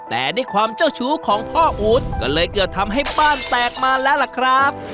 แต่ด้วยความเจ้าชู้ของพ่ออู๊ดก็เลยเกิดทำให้บ้านแตกมาแล้วล่ะครับ